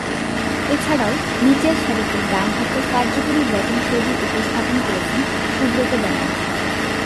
এছাড়াও, নিচেরসারিতে ডানহাতে কার্যকরী ব্যাটিংশৈলী উপস্থাপন করেছেন সুব্রত ব্যানার্জী।